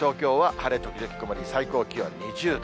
晴れ時々曇り、最高気温２０度。